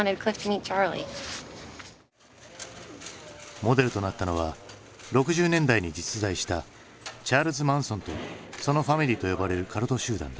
モデルとなったのは６０年代に実在したチャールズ・マンソンとそのファミリーと呼ばれるカルト集団だ。